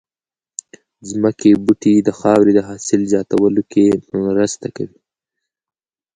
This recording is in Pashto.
ځمکې بوټي د خاورې د حاصل زياتولو کې مرسته کوي